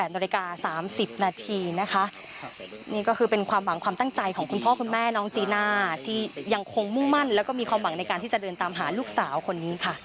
นาฬิกา๓๐นาทีนะคะนี่ก็คือเป็นความหวังความตั้งใจของคุณพ่อคุณแม่น้องจีน่าที่ยังคงมุ่งมั่นแล้วก็มีความหวังในการที่จะเดินตามหาลูกสาวคนนี้ค่ะ